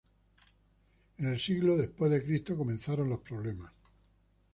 En el siglo d. C. comenzaron los problemas.